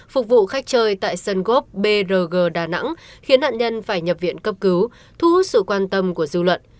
phục vụ khách chơi tại sân gốp brg đà nẵng khiến nạn nhân phải nhập viện cấp cứu thu hút sự quan tâm của dư luận